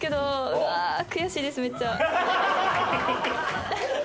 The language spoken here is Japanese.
うわあ悔しいですめっちゃ。